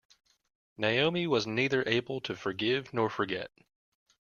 Naomi was neither able to forgive nor forget.